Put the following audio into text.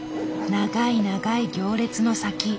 長い長い行列の先。